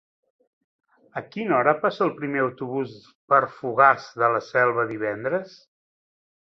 A quina hora passa el primer autobús per Fogars de la Selva divendres?